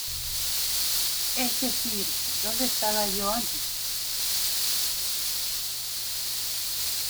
Es decir, ¿dónde estaba yo antes?